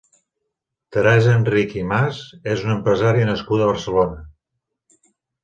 Teresa Enrich i Mas és una empresària nascuda a Barcelona.